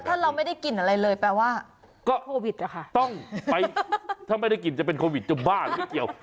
แล้วถ้าเราไม่ได้กินอะไรเลยแปลว่าต้องไปถ้าไม่ได้กินจะเป็นโควิดจะบ้าอะไรเกี่ยว